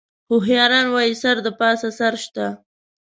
هوښیاران وایي: سر د پاسه سر شته.